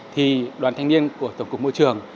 thì đoàn thanh niên của tổng cục môi trường